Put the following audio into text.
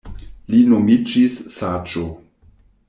Li nomiĝis Saĝo.